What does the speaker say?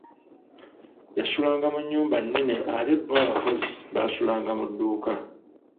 Yasulanga mu nnyumba nnene ate bo abakozi baasulanga mu dduuka.